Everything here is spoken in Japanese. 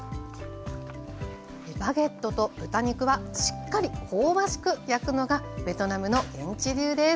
バゲットと豚肉はしっかり香ばしく焼くのがベトナムの現地流です。